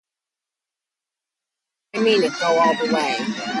Doig attended Fremantle Boys' School in Fremantle, but played "little football" at school.